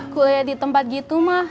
kuliah di tempat gitu mah